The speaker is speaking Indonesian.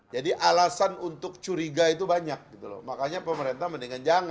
jadi alasan untuk curiga itu banyak makanya pemerintah mendingan jangan gitu